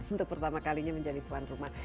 untuk pertama kalinya menjadi tuan rumah